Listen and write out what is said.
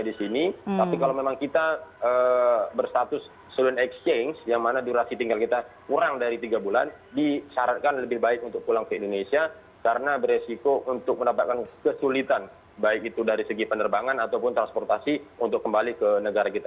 jadi kalau memang kita berstatus student exchange yang mana durasi tinggal kita kurang dari tiga bulan disyaratkan lebih baik untuk pulang ke indonesia karena beresiko untuk mendapatkan kesulitan baik itu dari segi penerbangan ataupun transportasi untuk kembali ke negara kita